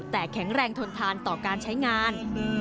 แต่แข็งแรงทนทานต่อการใช้งาน